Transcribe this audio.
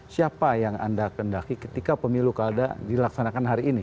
siapa yang anda kendaki ketika pemilu kalda dilaksanakan hari ini